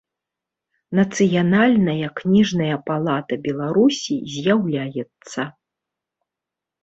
Нацыянальная кнiжная палата Беларусi з’яўляецца.